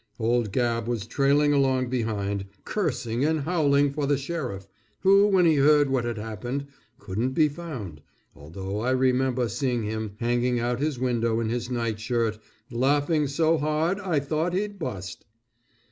Old Gabb was trailing along behind, cursing and howling for the sheriff, who when he heard what had happened couldn't be found, although I remember seeing him hanging out his window in his night shirt, laughing so hard I thought he'd bust.